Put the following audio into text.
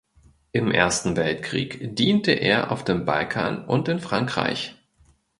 Im Ersten Weltkrieg diente er auf dem Balkan und in Frankreich.